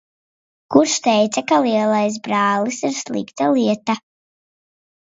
Kurš teica, ka lielais brālis ir slikta lieta?